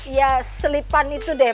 ya selipan itu deh